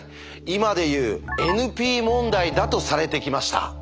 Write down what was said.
今で言うＮＰ問題だとされてきました。